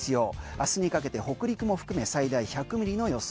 明日にかけて北陸も含め最大１００ミリの予想。